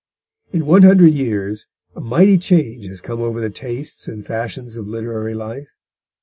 In one hundred years a mighty change has come over the tastes and fashions of literary life.